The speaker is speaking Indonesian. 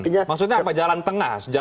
maksudnya apa jalan tengah